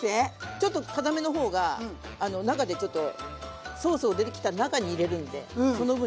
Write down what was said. ちょっとかためのほうが中でちょっとソースを出来た中に入れるんでその分ちょっと。